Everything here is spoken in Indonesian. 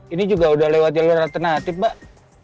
ini juga udah lewat jalur alternatif pak